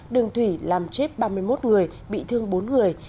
đường thủy làm chết ba mươi một người bị thương bốn người